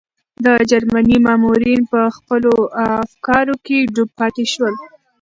د جرمني مامورین په خپلو افکارو کې ډوب پاتې شول.